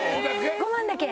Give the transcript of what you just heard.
５万だけ。